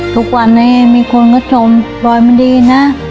ทุกวันนี้มีคนก็ชมปลอยมันดีนะ